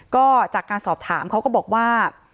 ก็จากการสอบถามเขาก็บอกว่า